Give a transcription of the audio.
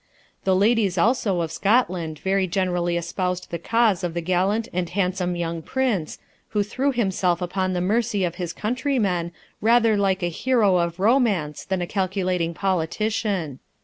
The ladies, also, of Scotland very generally espoused the cause of the gallant and handsome young Prince, who threw himself upon the mercy of his countrymen rather like a hero of romance than a calculating politician.